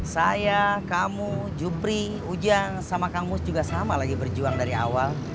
saya kamu jupri ujang sama kamus juga sama lagi berjuang dari awal